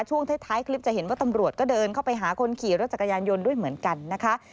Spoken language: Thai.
ช่วงท้ายคลิปจะเห็นว่าตำรวจก็เดินเข้าไปหาคนขี่รถจักรยานยนต์ด้วยเหมือนกันนะคะ